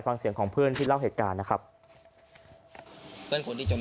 ฟังเสียงของเพื่อนที่เล่าเหตุการณ์นะครับเพื่อนคนที่จม